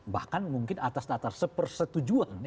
bahkan mungkin atas datar sepersetujuan ya